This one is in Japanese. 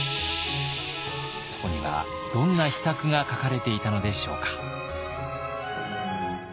そこにはどんな秘策が書かれていたのでしょうか。